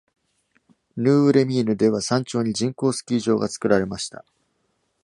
ヌーウレミーヌでは、山頂に人工スキー場が造られました。